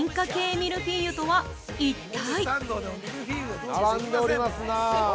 ミルフィーユとは一体？